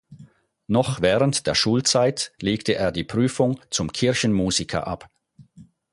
Noch während der Schulzeit legte er die Prüfung zum Kirchenmusiker ab.